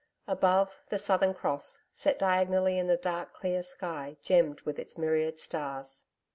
Above, the Southern Cross, set diagonally, in the dark clear sky gemmed with its myriad stars.